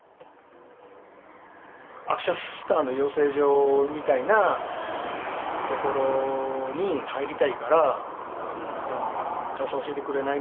アクションスターの養成所みたいなところに入りたいから体操教えてくれない？